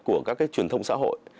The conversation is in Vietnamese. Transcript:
của các cái truyền thông xã hội